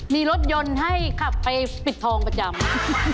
มีรถยนต์ให้ขับไปปิดทองประจำ